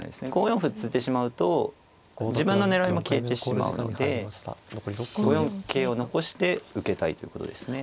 ５四歩突いてしまうと自分の狙いも消えてしまうので５四桂を残して受けたいということですね。